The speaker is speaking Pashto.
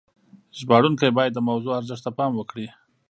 ژباړونکي باید د موضوع ارزښت ته پام وکړي.